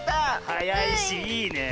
はやいしいいねえ。